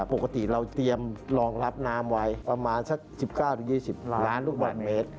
ปกติเราเตรียมรองรับน้ำไว้ประมาณสัก๑๙๒๐ล้านลูกบาทเมตร